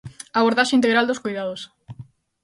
Abordaxe integral dos coidados.